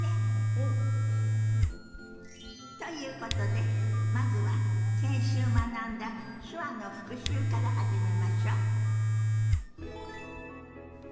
うん！ということでまずは先週学んだ手話の復習から始めましょ。